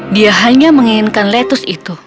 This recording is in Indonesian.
dia hanya menginginkan lettuce itu